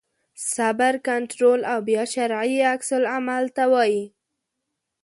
صبر کنټرول او بیا شرعي عکس العمل ته وایي.